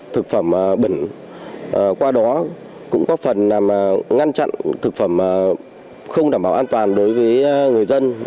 thực phẩm bẩn qua đó cũng có phần làm ngăn chặn thực phẩm không đảm bảo an toàn đối với người dân